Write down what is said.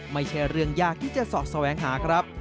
ไม่ใช่เรื่องยากที่จะเสาะแสวงหาครับ